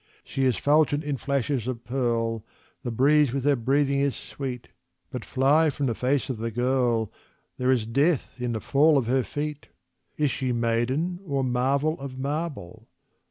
She is fulgent in flashes of pearl, the breeze with her breathing is sweet, But fly from the face of the girl there is death in the fall of her feet! Is she maiden or marvel of marble?